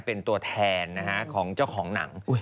เป็นตัวแทนของเจ้าของหนัง